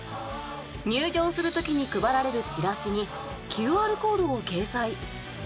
入場する時に配られるチラシにＱＲコードを掲載。